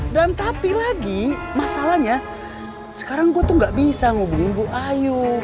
dan tapi lagi masalahnya sekarang gue tuh gak bisa ngubungin bu ayu